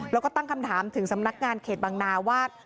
แล้วก็ตั้งคำถามถึงสำนักงานเขตบางนาว่า